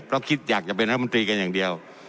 เพราะคิดอยากจะเป็นรัฐมนตรีกันอย่างเดียว